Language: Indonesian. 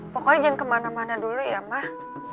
pokoknya jangan kemana mana dulu ya mah